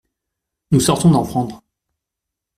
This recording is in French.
Nous sortons d’en prendre.